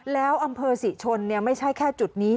แล้วอำเภอศรีชนไม่ใช่แค่จุดนี้